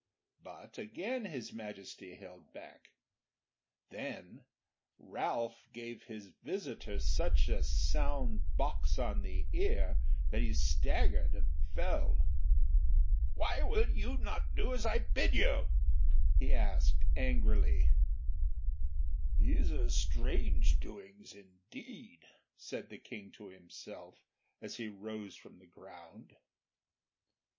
But again His Majesty held back. Then Ralph gave his visitor such a sound box on the ear that he staggered and fell. "Why will you not do as I bid you?" he cried angrily. "These are strange doings indeed," said the King to himself, as he rose from the ground.